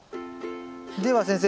では先生。